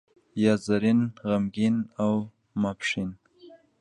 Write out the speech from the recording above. یا زرین، غمګین او ماپښین.